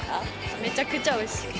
めちゃくちゃおいしい。